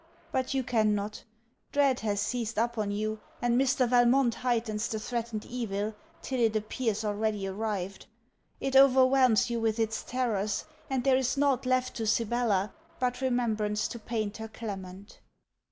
But you cannot, Dread has seized up on you, and Mr. Valmont heightens the threatened evil, till it appears already arrived: it overwhelms you with its terrors, and there is nought left to Sibella but remembrance to paint her Clement.